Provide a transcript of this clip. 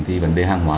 thì vấn đề hàng hóa